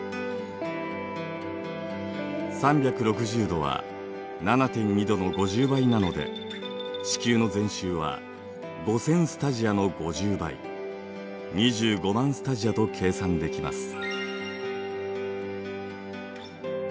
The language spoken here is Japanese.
３６０度は７．２度の５０倍なので地球の全周は５，０００スタジアの５０倍２５０，０００スタジアと計算できます。